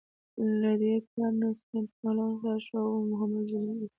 له دې کار نه سپنتا پهلوان خلاص شو او نه محمدزی زلمی رسول.